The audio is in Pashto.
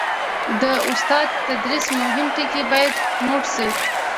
د استاد د تدریس مهم ټکي باید نوټ شي.